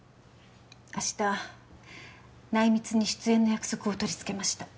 明日内密に出演の約束を取りつけました。